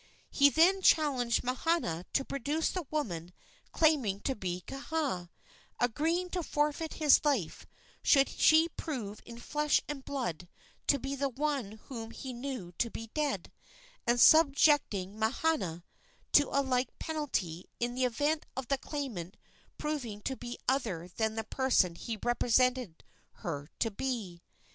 He then challenged Mahana to produce the woman claiming to be Kaha, agreeing to forfeit his life should she prove in flesh and blood to be the one whom he knew to be dead, and subjecting Mahana to a like penalty in the event of the claimant proving to be other than the person he represented her to be.